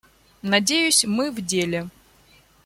Надеюсь, мы в деле.